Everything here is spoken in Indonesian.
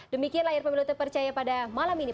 demikian layar pemilu terpercaya pada malam ini